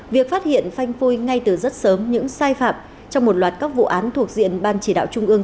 việc phát hiện phanh phui ngay từ rất sớm những sai phạm trong một loạt các vụ án thuộc diện ban chỉ đạo trung ương